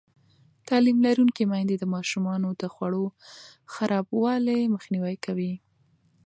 تعلیم لرونکې میندې د ماشومانو د خوړو خرابوالی مخنیوی کوي.